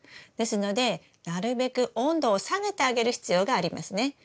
ですのでなるべく温度を下げてあげる必要がありますね。